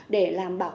để làm bảo